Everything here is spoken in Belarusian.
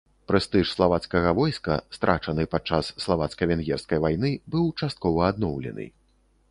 Прэстыж славацкага войска, страчаны падчас славацка-венгерскай вайны, быў часткова адноўлены.